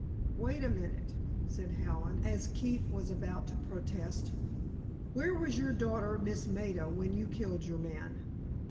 "Wait a minute," said Hallen, as Keefe was about to protest; "where was your daughter, Miss Maida, when you killed your man?"